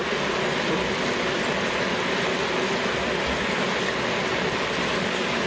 พร้อมทุกสิทธิ์